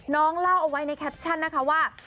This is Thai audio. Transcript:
น้องเล่าเอาไว้ในแคปชั่นว่า